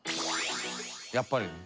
やっぱりね。